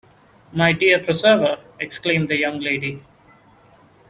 “My dear preserver!” exclaimed the young lady.